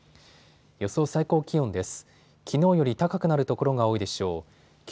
予想最高気温です。